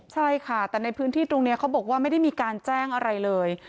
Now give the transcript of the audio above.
ใช่ค่ะแต่ในพื้นที่ตรงนี้เขาบอกว่าไม่ได้มีการแจ้งอะไรเลย